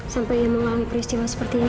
sampai mengalami peristiwa seperti ini